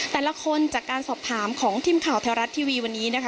แต่ละคนจากการสอบถามของทีมข่าวไทยรัฐทีวีวันนี้นะคะ